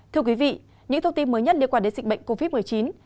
thưa quý vị những thông tin mới nhất liên quan đến dịch bệnh covid một mươi chín